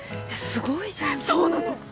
すごいじゃんそれそうなの！